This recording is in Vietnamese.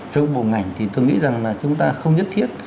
trong bộ ngành thì tôi nghĩ rằng là chúng ta không nhất thiết